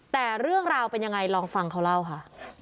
แต่เรื่องราวเป็นยังไงลองฟังเขาเล่าค่ะ